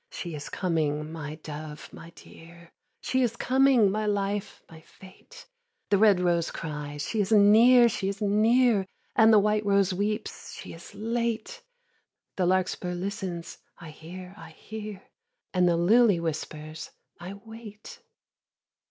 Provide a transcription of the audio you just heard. She is coming, my dove, my dear; She is coming, my life, my fate; The red rose cries, *She is near, she is near;' And the white rose weeps, 'She is late;' The larkspur listens, 'I hear, I hear;' And the lily whispers, 'I wait.'